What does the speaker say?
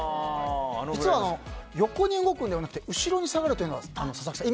実は横に動くのではなくて後ろに下がるのには佐々木さん